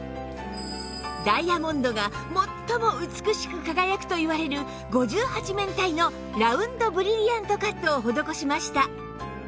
ダイヤモンドが最も美しく輝くといわれる５８面体のラウンドブリリアントカットを施しました